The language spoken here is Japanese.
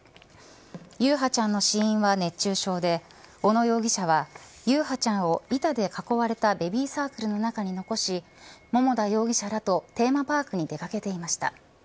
優陽ちゃんの死因は熱中症で小野容疑者は優陽ちゃんを板で囲われたベビーサークルの中に残し桃田容疑者らとテーマパークに出掛けていました。